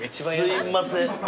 すいません。